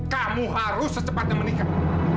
kamu harus secepatnya menikah